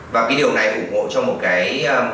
và cái điều này ủng hộ cho một cái